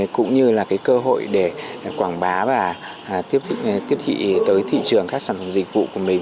cũng như là cái cơ hội để quảng bá và tiếp thị tới thị trường các sản phẩm dịch vụ của mình